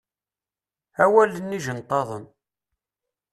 Awalen ijenṭaḍen.